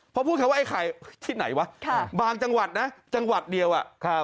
เพราะพูดคำว่าไอ้ไข่ที่ไหนวะบางจังหวัดนะจังหวัดเดียวอ่ะครับ